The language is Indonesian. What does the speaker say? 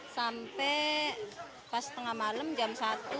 sampai pas tengah malam jam satu